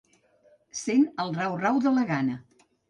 Sent el rau-rau de la gana.